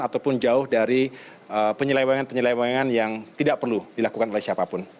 ataupun jauh dari penyelewengan penyelewengan yang tidak perlu dilakukan oleh siapapun